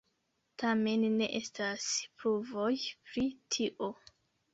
Tamen ne estas pruvoj pri tio.